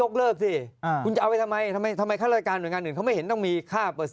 เขาก็ทำงานเหมือนทักขุม